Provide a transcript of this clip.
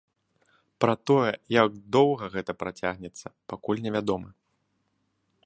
Пра тое, як доўга гэта працягнецца, пакуль невядома.